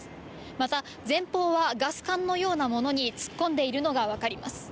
また、前方はガス管のようなものに突っ込んでいるのが分かります。